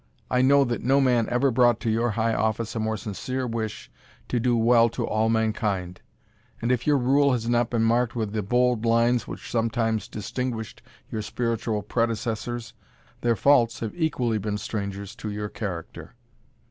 I know that no man ever brought to your high office a more sincere wish to do well to all mankind; and if your rule has not been marked with the bold lines which sometimes distinguished your spiritual predecessors, their faults have equally been strangers to your character."